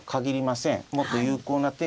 もっと有効な手が。